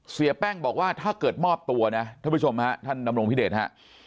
เสียแป้งบอกว่าถ้าเกิดมอบตัวนะท่านผู้ชมฮะท่านดำรงพิเดชฮะ